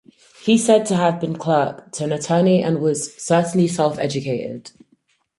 He is said to have been clerk to an attorney, and was certainly self-educated.